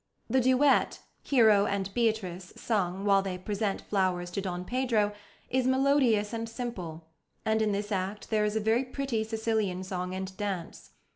The duet, Hero and Beatrice, sung while they present flowers to Don Pedro, is melodious and simple; and in this act there is a very pretty Sicilian song and dance.